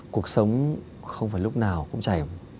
cuộc sống không phải lúc nào cũng chảy